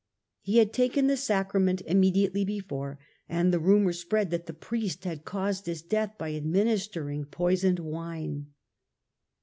He had taken the Sacrament immediately before, and the ru mour spread that the Priest had caused his death by administering poisoned wine.